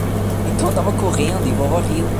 Então eu estava correndo e vovó riu.